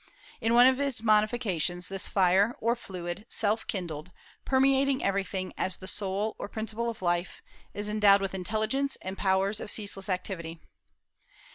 In one of its modifications this fire, or fluid, self kindled, permeating everything as the soul or principle of life, is endowed with intelligence and powers of ceaseless activity.